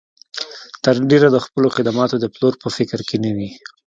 تر ډېره د خپلو خدماتو د پلور په فکر کې نه وي.